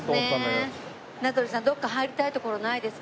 名取さんどこか入りたい所ないですか？